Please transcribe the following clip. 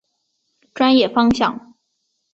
专业方向。